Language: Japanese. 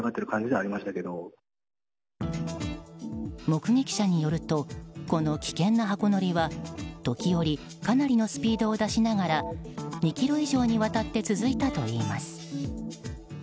目撃者によるとこの危険な箱乗りは時折、かなりのスピードを出しながら２ｋｍ以上にわたって続いたといいます。